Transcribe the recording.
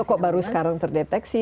kok baru sekarang terdeteksi